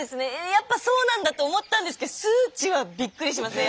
やっぱそうなんだと思ったんですけど数値はびっくりしますね。